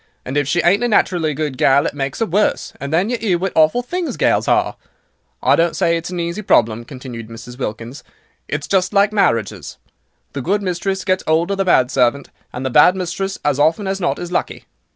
And if she ain't a naturally good gal, it makes 'er worse, and then you 'ear what awful things gals are. I don't say it's an easy problem," continued Mrs. Wilkins, "it's just like marriages. The good mistress gets 'old of the bad servant, and the bad mistress, as often as not is lucky."